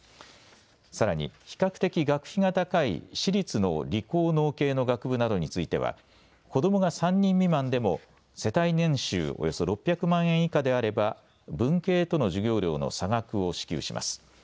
さらに比較的学費が高い私立の理工農系の学部などについては子どもが３人未満でも世帯年収およそ６００万円以下であれば文系との授業料の差額を支給します。